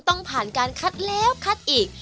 ต้องผ่านการคัดแล้วคัดอีก